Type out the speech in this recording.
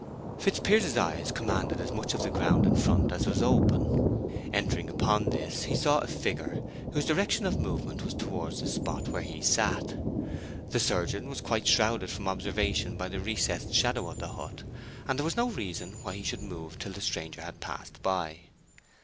Fitzpiers's eyes commanded as much of the ground in front as was open. Entering upon this he saw a figure, whose direction of movement was towards the spot where he sat. The surgeon was quite shrouded from observation by the recessed shadow of the hut, and there was no reason why he should move till the stranger had passed by.